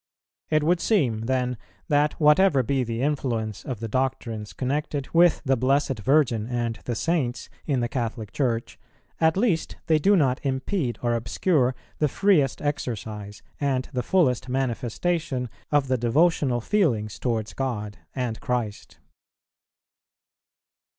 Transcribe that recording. It would seem then that whatever be the influence of the doctrines connected with the Blessed Virgin and the Saints in the Catholic Church, at least they do not impede or obscure the freest exercise and the fullest manifestation of the devotional feelings towards God and Christ.